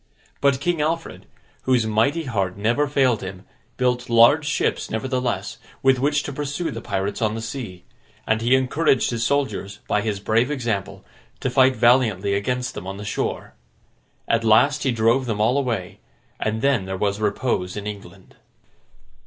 But King Alfred, whose mighty heart never failed him, built large ships nevertheless, with which to pursue the pirates on the sea; and he encouraged his soldiers, by his brave example, to fight valiantly against them on the shore. At last, he drove them all away; and then there was repose in England.